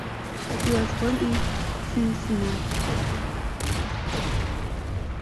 He was born in Cincinnati.